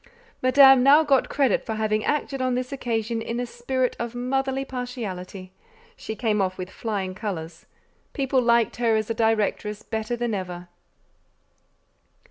Madame now got credit for having acted on this occasion in a spirit of motherly partiality: she came off with flying colours; people liked her as a directress better than ever.